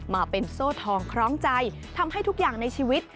มาเป็นโซ่ทองคล้องใจทำให้ทุกอย่างในชีวิต